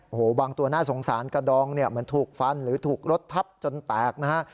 โอ้โหบางตัวน่าสงสารกระดองเนี่ยเหมือนถูกฟันหรือถูกรถทับจนแตกนะฮะ